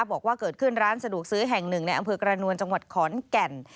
บอกว่าเกิดขึ้นร้านสะดวกซื้อแห่งหนึ่งในอำเภอกระนวลจังหวัดขอนแก่น